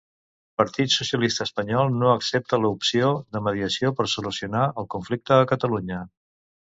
Partit Socialista Espanyol no accepta la opció de mediació per solucionar el conflicte a Catalunya.